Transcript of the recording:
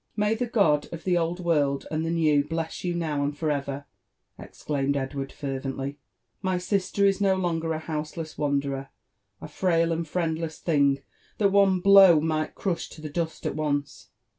f May the God of the Old World and tlie New bless, you now and UFB ANP AOVWTURM W for eyerl'* exehimed Edward rervenCif : '^my 6i0ter is do longer a hauMlen wanderer, a frail and friendless thing, that one blow might crush to the dual at once.